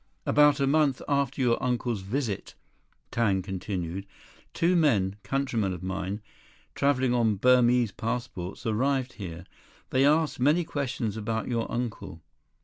"About a month after your uncle's visit," Tang continued, "two men, countrymen of mine, traveling on Burmese passports, arrived here. They asked many questions about your uncle."